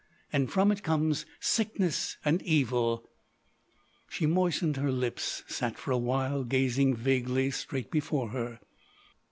And from it comes sickness and evil——" She moistened her lips; sat for a while gazing vaguely straight before her.